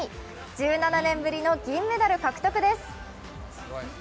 １７年ぶりの銀メダル獲得です。